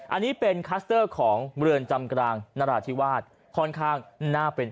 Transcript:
อันนี้เป็นคลัสเตอร์ของเรือนจำกลางนราธิวาสค่อนข้างน่าเป็น